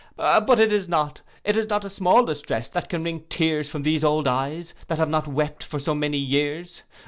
But it is not, it is not, a small distress that can wring tears from these old eyes, that have not wept for so many years.